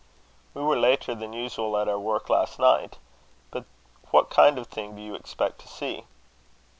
"We were later than usual at our work last night. But what kind of thing do you expect to see?"